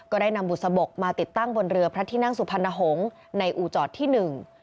ได้นำบุษบกมาติดตั้งบนเรือพระที่นั่งสุพรรณหงษ์ในอู่จอดที่หนึ่ง